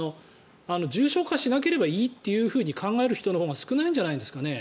重症化しなければいいというふうに考える人のほうが少ないんじゃないですかね。